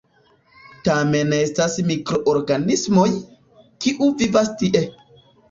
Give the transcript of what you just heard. Tamen estas mikroorganismoj, kiu vivas tie.